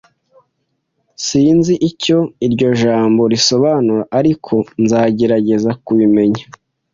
Sinzi icyo iryo jambo risobanura, ariko nzagerageza kubimenya.